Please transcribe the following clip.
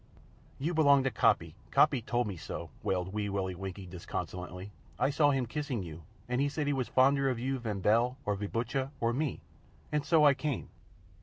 "You belonged to Coppy. Coppy told me so!" wailed Wee Willie Winkie, disconsolately. "I saw him kissing you, and he said he was fonder of you van Bell or ve Butcha or me. And so I came.